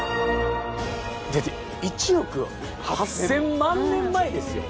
１億８，０００万年前ですよ！